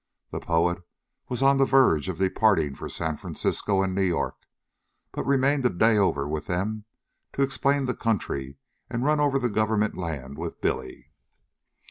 The poet was on the verge of departing for San Francisco and New York, but remained a day over with them to explain the country and run over the government land with Billy.